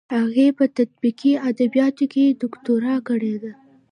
هغې په تطبیقي ادبیاتو کې دوکتورا کړې ده.